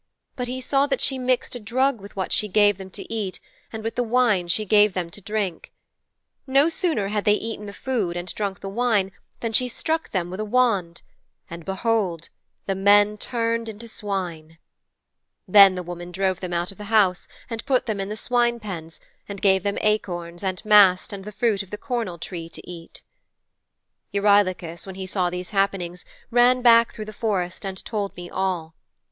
But he saw that she mixed a drug with what she gave them to eat and with the wine she gave them to drink. No sooner had they eaten the food and drunk the wine than she struck them with a wand, and behold! the men turned into swine. Then the woman drove them out of the house and put them in the swine pens and gave them acorns and mast and the fruit of the cornel tree to eat.' 'Eurylochus, when he saw these happenings, ran back through the forest and told me all.